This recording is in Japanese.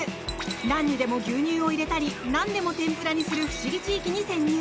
何にでも牛乳を入れたりなんでも天ぷらにする不思議地域に潜入。